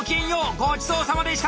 ごちそうさまでした！